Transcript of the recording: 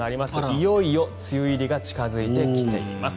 いよいよ梅雨入りが近付いてきています。